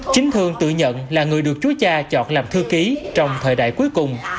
chính thương tự nhận là người được chú cha chọn làm thư ký trong thời đại cuối cùng